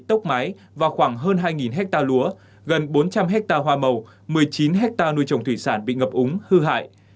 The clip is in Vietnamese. tốc mái và khoảng hơn hai ha lúa gần bốn trăm linh ha hoa màu một mươi chín ha nuôi trồng thủy sản bị ngập úng hư hại